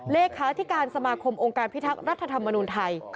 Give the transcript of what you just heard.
เลขาธิการสมาคมองค์การพิทักษ์รัฐธรรมนุนไทย